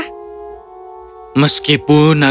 meskipun naga itu mati aku tidak akan menemukan dia